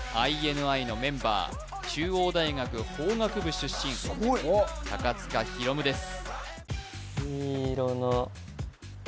ＩＮＩのメンバー中央大学法学部出身塚大夢です